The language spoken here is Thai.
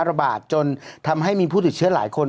ระบาดจนทำให้มีผู้ติดเชื้อหลายคน